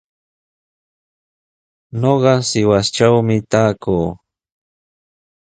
Ñuqa Sihuastrawmi taakuu.